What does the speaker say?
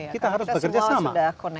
kita harus bekerja sama